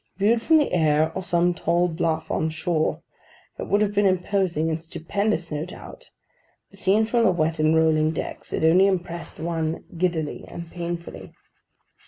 Viewed from the air, or some tall bluff on shore, it would have been imposing and stupendous, no doubt; but seen from the wet and rolling decks, it only impressed one giddily and painfully.